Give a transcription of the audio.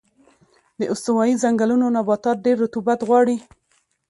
د استوایي ځنګلونو نباتات ډېر رطوبت غواړي.